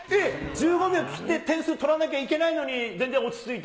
１５秒切って、点数取らなきゃいけないのに、全然落ち着いた？